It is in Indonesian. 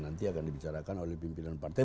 nanti akan dibicarakan oleh pimpinan partai